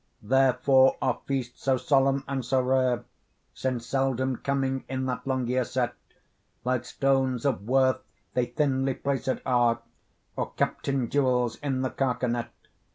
Therefore are feasts so solemn and so rare, Since, seldom coming in that long year set, Like stones of worth they thinly placed are, Or captain jewels in the carcanet.